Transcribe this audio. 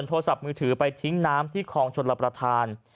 โทรศัพท์มือถือไปทิ้งน้ำที่คลองชนรับประทาน